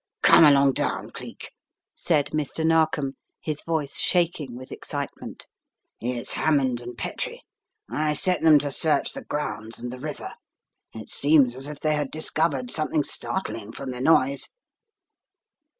"Come along down, Cleek," said Mr. Narkom, his voice shaking vzith excitement. "It's Hammond and Petrie. I set them to search the grounds and the river. It seems as if they had discovered something startling from the noise."